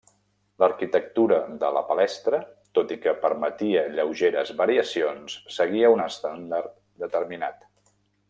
L'arquitectura de la palestra, tot i que permetia lleugeres variacions, seguia un estàndard determinat.